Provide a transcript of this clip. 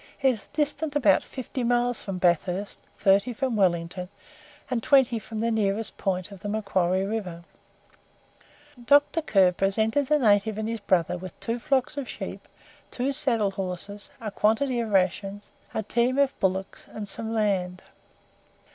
It is distant about fifty miles from Bathurst, thirty from Wellington, and twenty from the nearest point of the Macquarie river. Dr. Kerr presented the native and his brother with two flocks of sheep, two saddle horses, a quantity of rations, a team of bullocks, and some land.